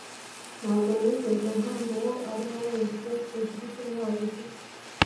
Ntabwo nigeze nkunda uwo ari we wese cedric niwe wabivuze